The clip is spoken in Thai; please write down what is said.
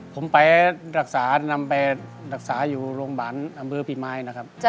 ผมไปรักษานำไปรักษาอยู่โรงพยาบาลอำเภอพี่ไม้นะครับ